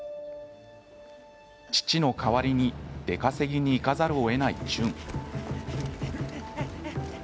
父の代わりに出稼ぎに行かざるをえないチュン。